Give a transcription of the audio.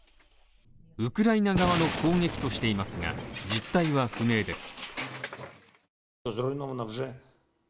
ウクライナ側の攻撃としていますが、実態は不明です。